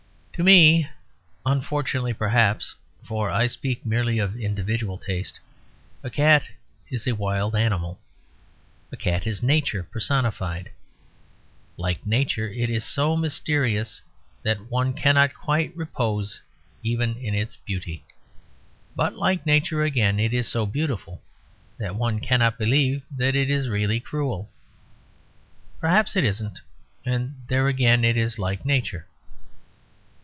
To me, unfortunately perhaps (for I speak merely of individual taste), a cat is a wild animal. A cat is Nature personified. Like Nature, it is so mysterious that one cannot quite repose even in its beauty. But like Nature again, it is so beautiful that one cannot believe that it is really cruel. Perhaps it isn't; and there again it is like Nature.